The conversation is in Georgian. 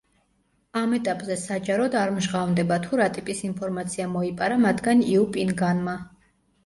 ამ ეტაპზე საჯაროდ არ მჟღავნდება, თუ რა ტიპის ინფორმაცია მოიპარა მათგან იუ პინგანმა.